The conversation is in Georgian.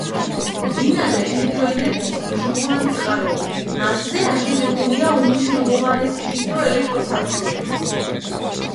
მდინარე ჰიდროენერგიის მნიშვნელოვანი წყაროა, მასზე აშენებულია უმნიშვნელოვანესი ჰიდროელექტროსადგურები.